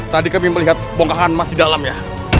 tadi kami melihat bongkakan emas di dalamnya